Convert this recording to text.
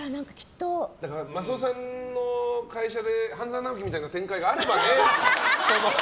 マスオさんの会社で「半沢直樹」みたいな展開があればね。